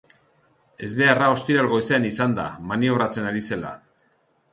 Ezbeharra ostiral goizean izan da, maniobratzen ari zela.